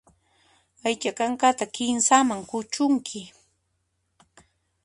Aycha kankata kinsaman kuchunki.